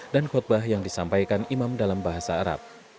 dan khutbah yang disampaikan imam dalam bahasa arab